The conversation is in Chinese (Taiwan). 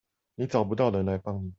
你找不到人來幫你